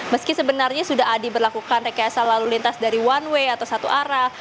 meski sebenarnya sudah diberlakukan rekayasa lalu lintas dari one way atau satu arah